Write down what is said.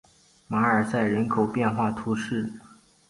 马尔赛人口变化图示